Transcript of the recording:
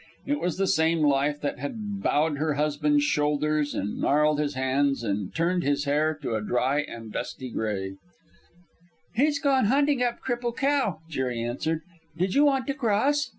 It was the same life that had bowed her husband's shoulders and gnarled his hands and turned his hair to a dry and dusty gray. "He's gone hunting up Cripple Cow," Jerry answered. "Did you want to cross?"